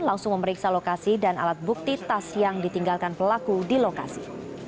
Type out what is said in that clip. langsung memeriksa lokasi dan alat bukti tas yang ditinggalkan pelaku di lokasi